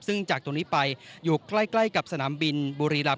ซึ่งจากตรงนี้ไปอยู่ใกล้กับสนามบินบุรีรำ